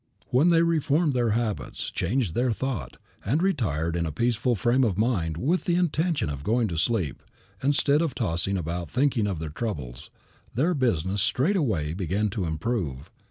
When they reformed their habits, changed their thought, and retired in a peaceful frame of mind with the intention of going to sleep, instead of tossing about thinking of their troubles, their business straightway began to improve.